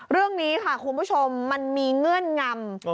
เรื่องนี้ค่ะคุณผู้ชมมันมีเงื่อนงำ